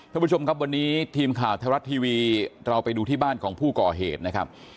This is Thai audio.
ท่านผู้ชมครับวันนี้ทีมข่าวไทยรัฐทีวีเราไปดูที่บ้านของผู้ก่อเหตุนะครับ